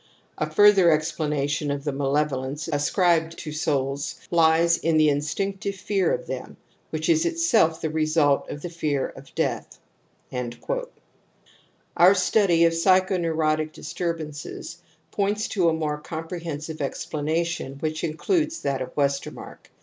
..."... A further explanation of the malevo lence ascribed to souls lies in the instinctive fear of them, which is itself the result of the fear of death.'' Our study of psychoneurotic disturbances points to a more comprehensive explanation, which includes that of Westermarck.